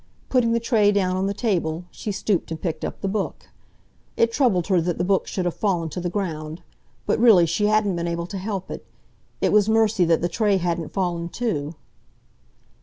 Putting the tray down on the table, she stooped and picked up the Book. It troubled her that the Book should have fallen to the ground; but really she hadn't been able to help it—it was mercy that the tray hadn't fallen, too.